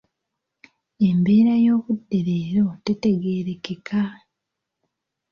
Embeera y'obudde leero tetegeerekeka.